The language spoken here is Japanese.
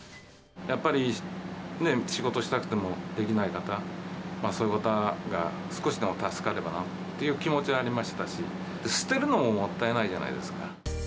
やっぱりね、仕事したくてもできない方、そういう方が少しでも助かればなという気持ちがありましたし、捨てるのももったいないじゃないですか。